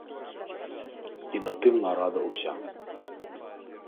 І на тым нарада ўся.